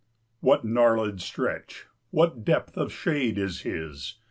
What gnarlèd stretch, what depth of shade, is his!